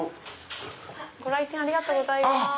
ご来店ありがとうございます。